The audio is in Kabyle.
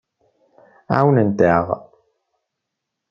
Ɛawnent-aɣ.